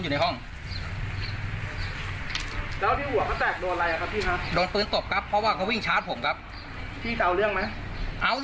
บุกรูปบ้านพี่อ่ะเนาะ